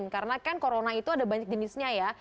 karena kan corona itu ada banyak jenisnya ya